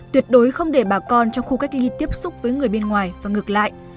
tuyệt đối không để bà con trong khu cách ly tiếp xúc với người bên ngoài và ngược lại